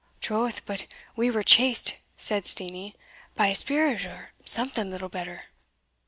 "Troth, but we were chased," said Steenie, "by a spirit or something little better."